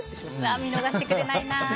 見逃してくれないな。